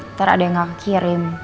ntar ada yang gak kekirim